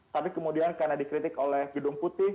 tapi kemudian karena dikritik oleh gedung putih